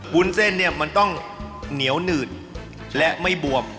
วุ้นเส้นเนี่ยมันต้องเหนียวหนื่นและไม่บวม